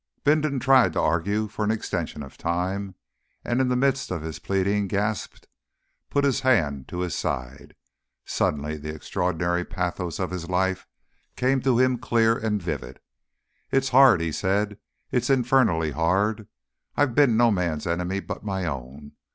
Bindon tried to argue for an extension of time, and in the midst of his pleading gasped, put his hand to his side. Suddenly the extraordinary pathos of his life came to him clear and vivid. "It's hard," he said. "It's infernally hard! I've been no man's enemy but my own.